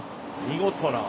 見事な。